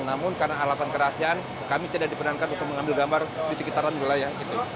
namun karena alasan kerahasiaan kami tidak diperankan untuk mengambil gambar di sekitaran wilayah